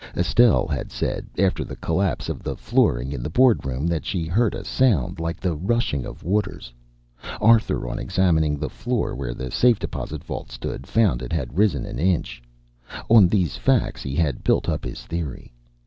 Estelle had said, after the collapse of the flooring in the board room, that she heard a sound like the rushing of waters. Arthur, on examining the floor where the safe deposit vault stood, found it had risen an inch. On these facts he had built up his theory.